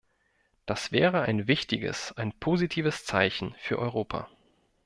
Das wäre ein wichtiges, ein positives Zeichen für Europa.